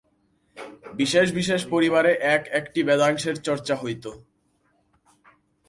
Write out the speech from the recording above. বিশেষ বিশেষ পরিবারে এক একটি বেদাংশের চর্চা হইত।